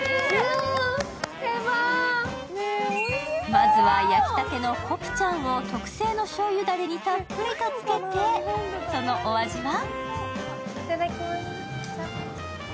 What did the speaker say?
まずは焼きたてのコプチャンを特製のしょうゆだれにたっぷりつけてそのお味は？